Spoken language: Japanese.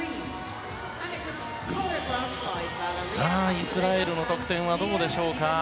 イスラエルの得点はどうでしょうか。